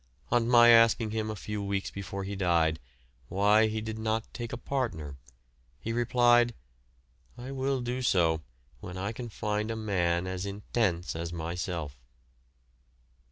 On my asking him a few weeks before he died why he did not take a partner, he replied: "I will do so when I can find a man as intense as myself."